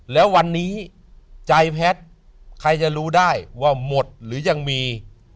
แล้ววันนี้ใจแพทย์ใครจะรู้ได้ว่าหมดหรือยังมี